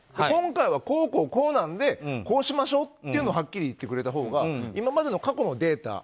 今回はこうなのでこうしましょうということをはっきり言ってくれたほうが今までの過去のデータ